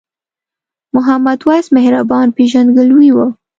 محمد وېس مهربان پیژندګلوي وه.